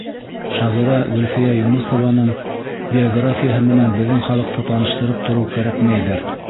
Шағирә Гөлфиә Юнысованың биографияһы менән беҙҙең халыҡты таныштырып тороу кәрәкмәйҙер.